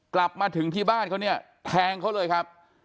กลับมาถึงที่บ้านเขาเนี่ยแทงเขาเลยครับ